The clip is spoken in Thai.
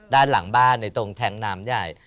ด้านหลังบ้านในตรงแท้งน้ำใหญ่